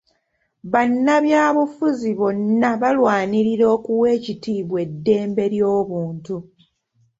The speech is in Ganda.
Bannabyabufuzi bonna balwanirira okuwa ekitiibwa eddembe ly'obuntu.